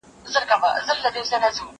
لوبه وکړه!!